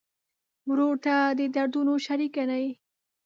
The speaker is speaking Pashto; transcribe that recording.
ورور ته د دردونو شریک ګڼې.